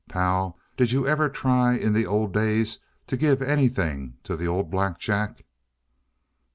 "Pal, did you ever try, in the old days, to give anything to the old Black Jack?"